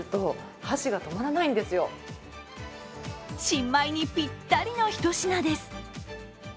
新米にぴったりのひと品です。